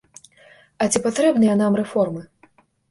А ці патрэбныя нам рэформы?